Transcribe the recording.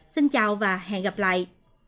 xin chào và hẹn gặp lại